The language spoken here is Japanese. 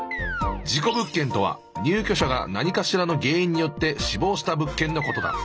事故物件とは入居者が何かしらの原因によって死亡した物件のことだ。